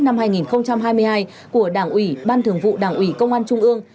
năm hai nghìn hai mươi hai của đảng ủy ban thường vụ đảng ủy công an trung ương